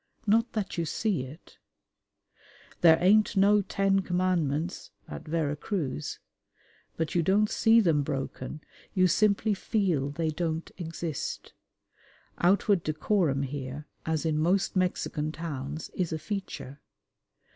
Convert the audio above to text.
Not that you see it. "There ain't no Ten Commandments" at Vera Cruz; but you don't see them broken: you simply feel they don't exist. Outward decorum here, as in most Mexican towns, is a feature.